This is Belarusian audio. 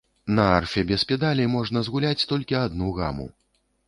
На арфе без педалі можна згуляць толькі адну гаму.